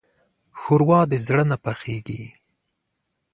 ښوروا د زړه نه پخېږي.